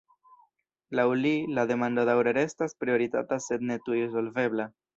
Laŭ li, la demando daŭre restas prioritata sed ne tuj solvebla.